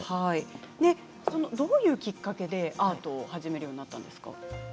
どういうきっかけでアートを始めるようになったんですか？